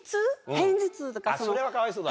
それはかわいそうだ。